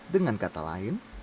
dengan kata lain